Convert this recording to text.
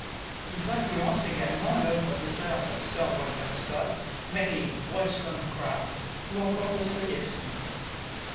Ils influencent également l’œuvre d’auteurs comme Sir Walter Scott, Mary Wollstonecraft ou encore Dostoïevski.